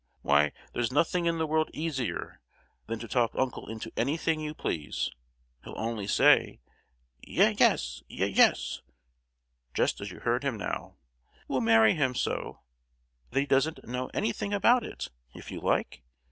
Why, there's nothing in the world easier than to talk uncle into anything you please! He'll only say, 'Ye—yes, ye—yes,' just as you heard him now! We'll marry him so that he doesn't know anything about it, if you like?